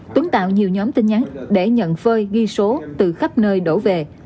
tuấn tạo nhiều nhóm tin nhắn để nhận phơi ghi số từ khắp nơi đổ về